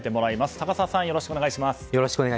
高沢さん、よろしくお願いします。